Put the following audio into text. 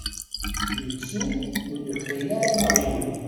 Yettu ur yeqqin ara aɣyul.